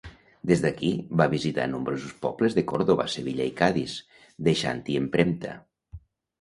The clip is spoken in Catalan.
Des d'aquí va visitar nombrosos pobles de Còrdova, Sevilla i Cadis, deixant-hi empremta.